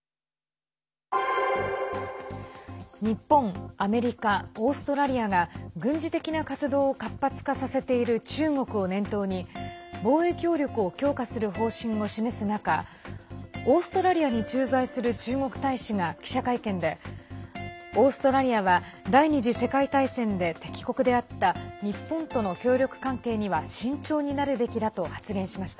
日本、アメリカオーストラリアが軍事的な活動を活発化させている中国を念頭に防衛協力を強化する方針を示す中オーストラリアに駐在する中国大使が記者会見でオーストラリアは第２次世界大戦で敵国であった日本との協力関係には慎重になるべきだと発言しました。